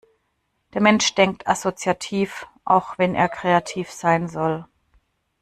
Der Mensch denkt assoziativ, auch wenn er kreativ sein soll.